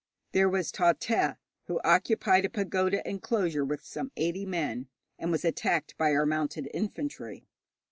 There was Ta Te, who occupied a pagoda enclosure with some eighty men, and was attacked by our mounted infantry.